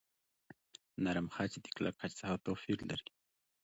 نرم خج د کلک خج څخه توپیر لري.